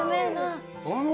あの？